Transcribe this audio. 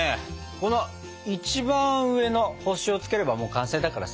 この一番上の星をつければもう完成だからさ！